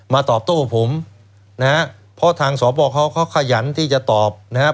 ตอบโต้ผมนะฮะเพราะทางสอบเขาเขาขยันที่จะตอบนะครับ